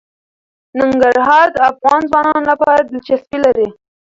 ننګرهار د افغان ځوانانو لپاره دلچسپي لري.